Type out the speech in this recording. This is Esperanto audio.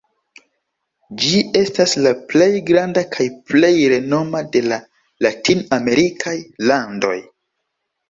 Ĝi estas la plej granda kaj plej renoma de la latin-amerikaj landoj.